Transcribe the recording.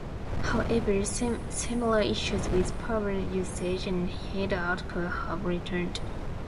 However, similar issues with power usage and heat output have returned.